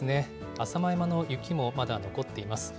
浅間山の雪もまだ残っています。